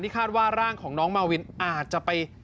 คาดว่าร่างของน้องมาวินอาจจะไป